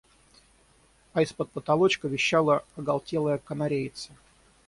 А из-под потолочка верещала оголтелая канареица.